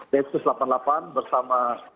densus delapan puluh delapan bersama